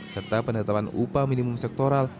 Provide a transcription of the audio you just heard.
serta penetapan upah minimum sektoral